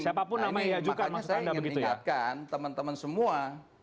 ini makanya saya ingin meningkatkan teman teman semua